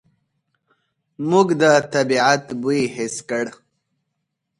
موږ د طبعیت بوی حس کړ.